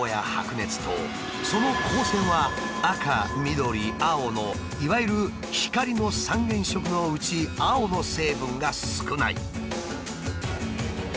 その光線は赤緑青のいわゆる光の三原色のうち青の成分が少ない。